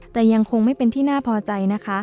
แต่ยังคงไม่เป็นที่น่าพอใจนะคะ